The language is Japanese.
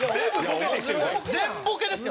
全ボケですよ！